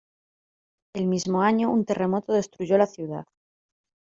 El mismo año un terremoto destruyó la ciudad.